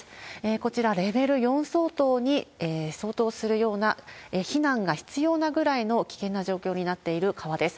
こちら、レベル４相当に相当するような、避難が必要なぐらいの危険な状況になっている川です。